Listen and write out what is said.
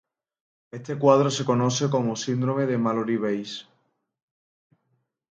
Este cuadro se conoce como Síndrome de Mallory–Weiss.